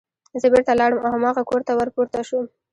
زه بېرته لاړم او هماغه کور ته ور پورته شوم